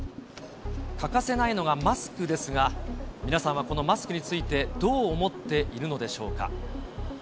欠かせないのがマスクですが、皆さんはこのマスクについて、どう思っているのでしょうか。